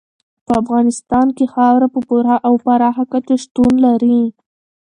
په افغانستان کې خاوره په پوره او پراخه کچه شتون لري.